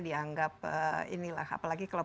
dianggap apalagi kalau